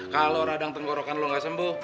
kalo radang tenggorokan lo gak sembuh